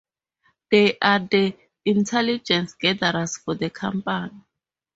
They are the "intelligence gatherers" for the company.